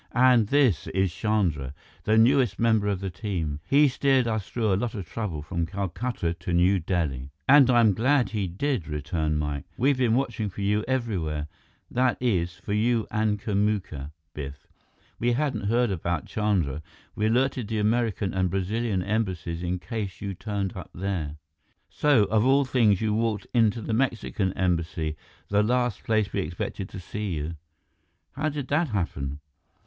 And this is Chandra, the newest member of the team. He steered us through a lot of trouble from Calcutta to New Delhi." "And I am glad he did," returned Mike. "We've been watching for you everywhere, that is, for you and Kamuka, Biff. We hadn't heard about Chandra. We alerted the American and Brazilian Embassies in case you turned up there. So, of all things, you walked into the Mexican Embassy, the last place we expected to see you. How did that happen?"